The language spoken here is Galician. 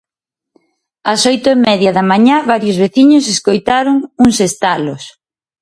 As oito e media da mañá varios veciños escoitaron uns estalos.